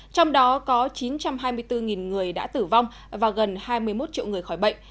trong đó có chín trăm hai mươi bốn người đã tử vong và gần hai mươi một triệu người khỏi bệnh